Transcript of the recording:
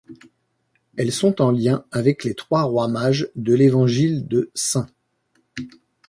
Elles sont en lien avec les trois rois mages de l’évangile de St.